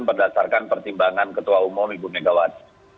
berdasarkan pertimbangan ketua umum ibu megawati